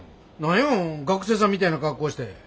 何や学生さんみたいな格好して。